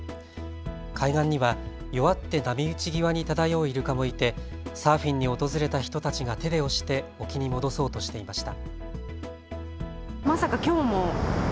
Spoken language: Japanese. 海岸には弱って波打ち際に漂うイルカもいてサーフィンに訪れた人たちが手で押して沖に戻そうとしていました。